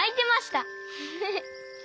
フフフ。